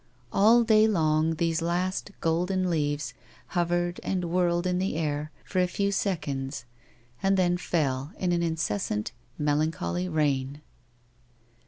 All day long these last, golden leaves hovered and whirled in the air for a few seconds and then fell, in an incessant, melancholy rain.